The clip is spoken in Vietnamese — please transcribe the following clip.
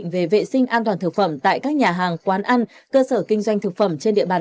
về vệ sinh an toàn thực phẩm tại các nhà hàng quán ăn cơ sở kinh doanh thực phẩm trên địa bàn